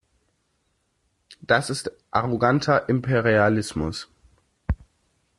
Das ist arroganter Imperialismus.